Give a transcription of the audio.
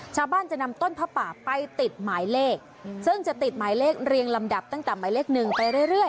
ชาวบ้านจะนำต้นผ้าป่าไปติดหมายเลขซึ่งจะติดหมายเลขเรียงลำดับตั้งแต่หมายเลขหนึ่งไปเรื่อย